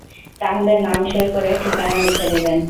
তাহলে নাম সই করে ঠিকানা লিখে দেবেন।